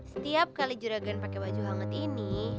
setiap kali juragan pake baju hangat ini